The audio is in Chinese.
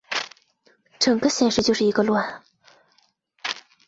整个显示就是一个乱啊